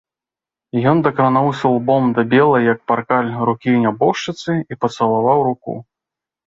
Ён дакрануўся лбом да белай, як паркаль, рукі нябожчыцы і пацалаваў руку.